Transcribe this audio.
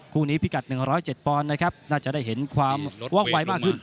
คู่นี้พิกัด๑๐๗ปอนด์นะครับน่าจะได้เห็นความว่องไวมากขึ้น